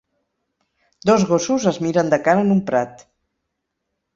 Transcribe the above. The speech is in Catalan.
Dos gossos es miren de cara en un prat.